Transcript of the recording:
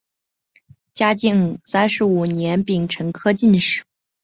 嘉靖三十五年丙辰科进士。